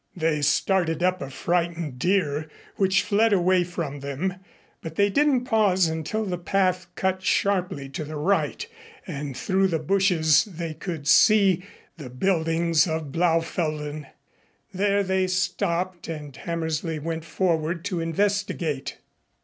They started up a frightened deer, which fled away from them, but they didn't pause until the path cut sharply to the right and through the bushes they could see the buildings of Blaufelden. There they stopped and Hammersley went forward to investigate.